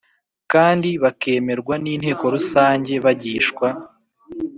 Kandi bakemerwa n inteko rusange bagishwa